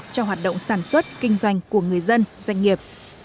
cho hoạt động sản xuất kinh doanh của người dân doanh nghiệp